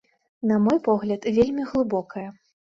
На мой погляд, вельмі глыбокая.